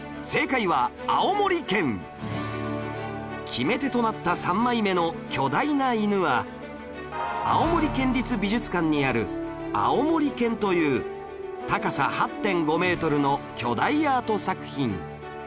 決め手となった３枚目の巨大な犬は青森県立美術館にある『あおもり犬』という高さ ８．５ メートルの巨大アート作品